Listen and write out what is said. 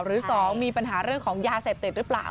หรือ๒มีปัญหาเรื่องของยาเสพติดหรือเปล่า